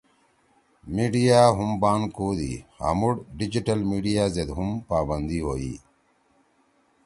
میڈیا ہُم بان کودی۔ ہامُوڑ ڈیجیٹل میڈیا زید ہُم پابندی ہوئی۔